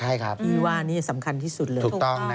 อี่วานนี่สำคัญที่สุดเลย